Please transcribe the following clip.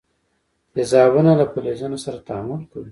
تیزابونه له فلزونو سره تعامل کوي.